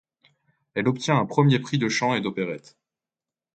Elle obtient un premier prix de chant et d'opérette.